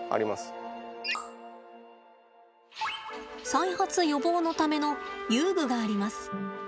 再発予防のための遊具があります。